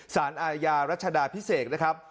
สารอาญารัชดาพิเศษนะครับ